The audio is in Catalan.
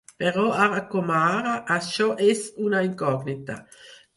Però, ara com ara, això és una incògnita.